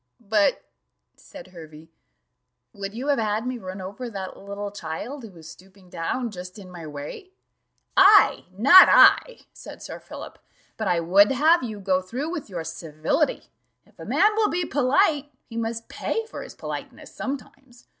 "But," said Hervey, "would you have had me run over that little child, who was stooping down just in my way?" "I!' not I," said Sir Philip; "but I would have you go through with your civility: if a man will be polite, he must pay for his politeness sometimes.